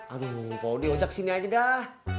aduh kalau di ojak sini aja dah